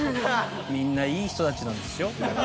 みんないい人たちなんですよ。